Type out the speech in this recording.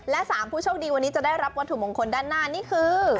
และ๓ผู้โชคดีวันนี้จะได้รับวัตถุมงคลด้านหน้านี่คือ